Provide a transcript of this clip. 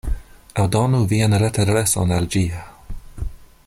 Aldonu vian retadreson al ĝi.